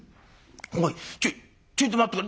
おいちょいと待ってくれ。